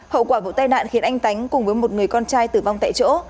hậu quả vụ tai nạn khiến anh tánh cùng với một người con trai tử vong tại chỗ